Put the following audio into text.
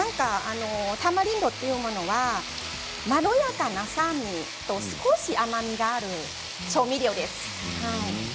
タマリンドというものはまろやかな酸味と少し甘みがある調味料です。